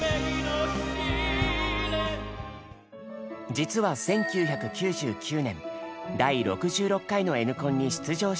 実は１９９９年第６６回の「Ｎコン」に出場した経験が。